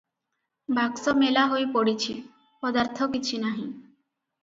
ବାକ୍ସ ମେଲା ହୋଇ ପଡ଼ିଛି - ପଦାର୍ଥ କିଛି ନାହିଁ ।